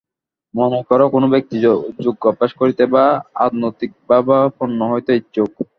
মনে কর, কোন ব্যক্তি যোগ অভ্যাস করিতে বা আধ্যাত্মিকভাবাপন্ন হইতে ইচ্ছুক।